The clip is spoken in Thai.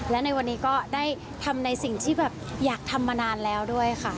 และในวันนี้ก็ได้ทำในสิ่งที่แบบอยากทำมานานแล้วด้วยค่ะ